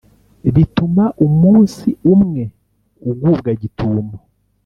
bituma umunsi umwe ugubwa gitumo